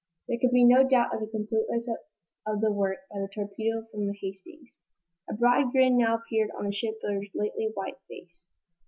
There could be no doubt of the completeness of the work done by the torpedo from the "Hastings." A broad grin now appeared on the shipbuilder's lately white face.